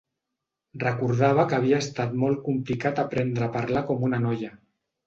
Recordava que havia estat molt complicat aprendre a parlar com una noia.